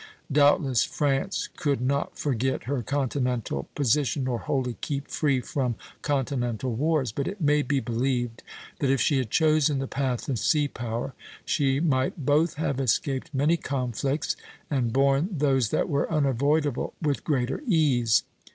Doubtless France could not forget her continental position, nor wholly keep free from continental wars; but it may be believed that if she had chosen the path of sea power, she might both have escaped many conflicts and borne those that were unavoidable with greater ease.